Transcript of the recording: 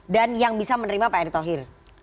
dan yang bisa menerima pak erick thohir